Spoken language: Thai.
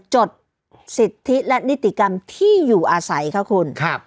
จดสิทธิและนิติกรรมที่อยู่อาศัยค่ะคุณ